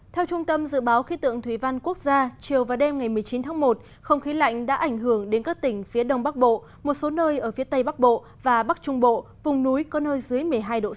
theo trung tâm dự báo khí tượng thủy văn quốc gia chiều và đêm ngày một mươi chín tháng một không khí lạnh đã ảnh hưởng đến các tỉnh phía đông bắc bộ một số nơi ở phía tây bắc bộ và bắc trung bộ vùng núi có nơi dưới một mươi hai độ c